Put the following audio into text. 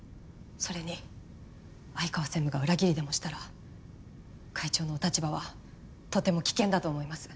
それに相川専務が裏切りでもしたら会長のお立場はとても危険だと思います。